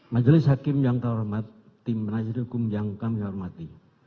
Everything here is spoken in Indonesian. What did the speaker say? majelis hakim yang terhormat tim penasihat hukum yang kami hormati